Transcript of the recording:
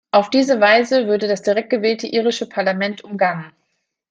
Auf diese Weise würde das direkt gewählte irische Parlament umgangen.